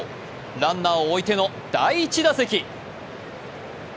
ランナーを置いての第１打席。